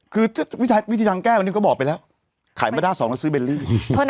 คือวิธีทางแก้วันนี้ก็บอกไปแล้วขายมาได้๒แล้วซื้อเบลลี่